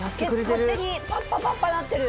パッパパッパなってる。